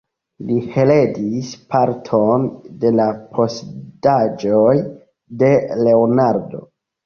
Li heredis parton de la posedaĵoj de Leonardo.